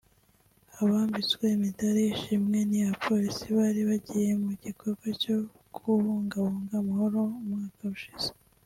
Abambitswe imidari y’ishimwe ni abapolisi bari bagiye mu gikorwa cyo kubungabunga amahoro umwaka ushize